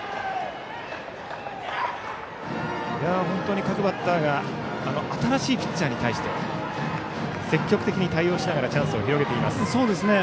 本当に各バッター新しいピッチャーに対して積極的に対応しながらチャンスを広げています。